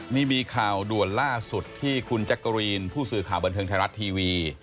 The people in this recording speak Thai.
นี่มีข่าวด่วนล่าสุดที่คุณแจ๊กกะรีนผู้สื่อข่าวบันเทิงไทยรัฐทีวี